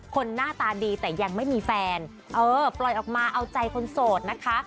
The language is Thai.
หน้าตาดีแต่ยังไม่มีแฟนเออปล่อยออกมาเอาใจคนโสดนะคะ